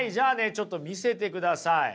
ちょっと見せてください。